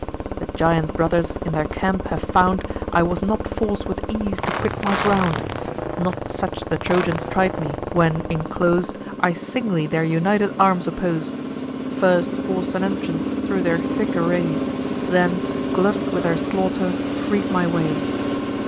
The giant brothers, in their camp, have found, I was not forc'd with ease to quit my ground. Not such the Trojans tried me, when, inclos'd, I singly their united arms oppos'd: First forc'd an entrance thro' their thick array; Then, glutted with their slaughter, freed my way.